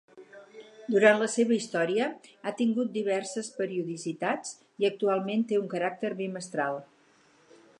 Durant la seva història ha tingut diverses periodicitats i actualment té un caràcter bimestral.